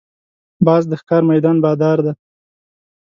باز د ښکار میدان بادار دی